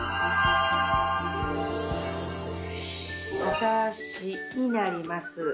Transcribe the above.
片脚になります。